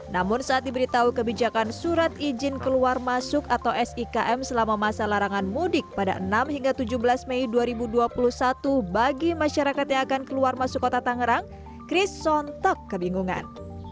namun saat diberitahu kebijakan surat izin keluar masuk atau sikm selama masa larangan mudik pada enam hingga tujuh belas mei dua ribu dua puluh satu bagi masyarakat yang akan keluar masuk kota tangerang chris sontok kebingungan